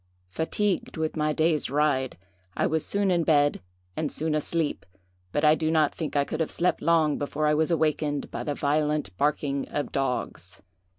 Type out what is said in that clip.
"Fatigued with my day's ride, I was soon in bed, and soon asleep, but I do not think I could have slept long before I was awakened by the violent barking of dogs.